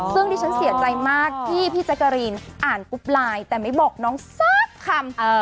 ซึ่งดิฉันเสียใจมากที่พี่แจ๊กกะรีนอ่านกรุ๊ปไลน์แต่ไม่บอกน้องสักคำ